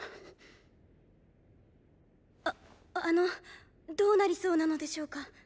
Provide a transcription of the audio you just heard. ああのどうなりそうなのでしょうか。